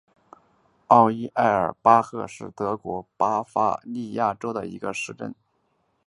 奥伊埃尔巴赫是德国巴伐利亚州的一个市镇。